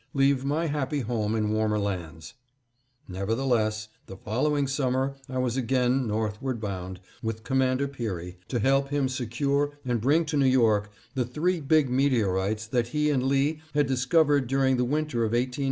leave my happy home in warmer lands. Nevertheless, the following summer I was again "Northward Bound," with Commander Peary, to help him secure, and bring to New York, the three big meteorites that he and Lee had discovered during the winter of 1894 1895.